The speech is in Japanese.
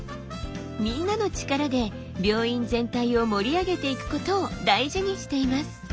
みんなの力で病院全体を盛り上げていくことを大事にしています。